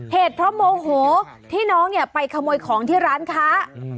เหตุเพราะโมโหที่น้องเนี่ยไปขโมยของที่ร้านค้า